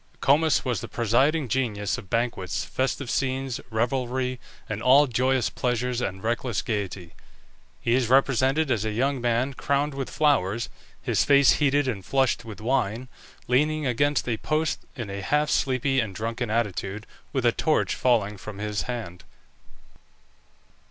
Comus was the presiding genius of banquets, festive scenes, revelry, and all joyous pleasures and reckless gaiety. He is represented as a young man crowned with flowers, his face heated and flushed with wine, leaning against a post in a half sleepy and drunken attitude, with a torch falling from his hand.